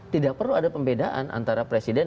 tidak perlu ada pembedaan antara presiden